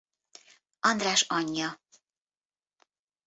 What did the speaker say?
András anyja.